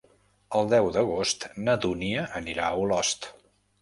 El deu d'agost na Dúnia anirà a Olost.